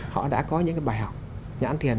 họ đã có những cái bài học nhãn thiền